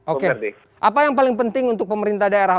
oke apa yang paling penting untuk pemerintah daerah